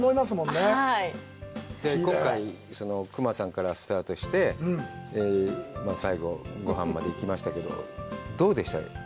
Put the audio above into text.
今回、隈さんからスタートして、最後、ごはんまで行きましたけど、どうでした？